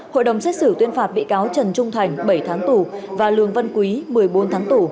hội đồng xét xử tuyên phạt bị cáo trần trung thành bảy tháng tù và lường văn quý một mươi bốn tháng tù